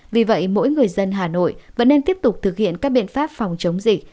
vì vậy mỗi người dân hà nội vẫn nên tiếp tục thực hiện các biện pháp phòng chống dịch